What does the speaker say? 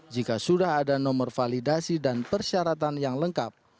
jika sudah ada nomor validasi dan persyaratan yang lengkap